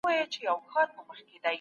بد ملګری د انسان اخلاق خرابوي.